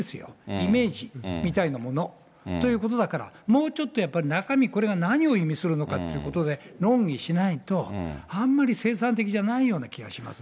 イメージみたいなものということだから、もうちょっとやっぱり中身、これが何を意味するのかということで、論議しないと、あんまり生産的じゃないような気がしますね。